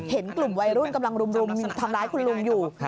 เห็นกลุ่มวัยรุ่นกำลังรุมทำร้ายคุณลุงอยู่